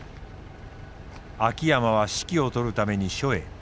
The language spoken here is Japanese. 秋山は指揮をとるために署へ。